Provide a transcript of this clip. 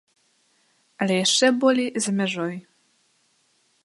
Але яшчэ болей за мяжой.